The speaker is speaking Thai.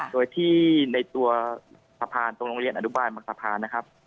โดยที่ในตัวสะพานตรงโรงเรียนอนุบาลมังสะพานนะครับ